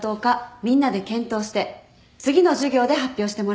みんなで検討して次の授業で発表してもらいます。